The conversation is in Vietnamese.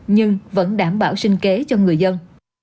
nhưng vẫn đảm bảo sinh kế cho người dân